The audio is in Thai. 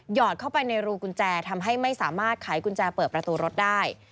อดเข้าไปในรูกุญแจทำให้ไม่สามารถไขกุญแจเปิดประตูรถได้